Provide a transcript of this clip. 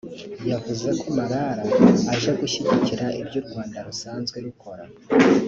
yavuze ko Malala aje gushyigikira ibyo u Rwanda rusanzwe rukora